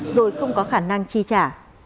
rồi cũng có khả năng chi trả